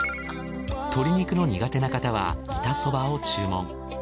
鶏肉の苦手な方は板そばを注文。